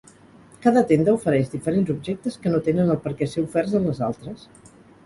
Cada tenda ofereix diferents objectes que no tenen el perquè ser oferts en les altres.